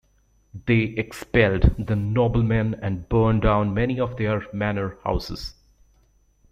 They expelled the noblemen and burned down many of their manor houses.